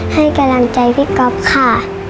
ให้กำลังใจพี่ก๊อฟค่ะ